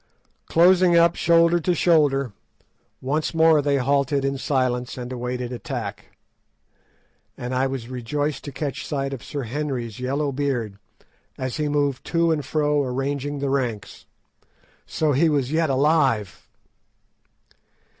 Closing up shoulder to shoulder, once more they halted in silence and awaited attack; and I was rejoiced to catch sight of Sir Henry's yellow beard as he moved to and fro arranging the ranks. So he was yet alive!